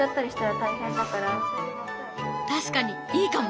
確かにいいかも！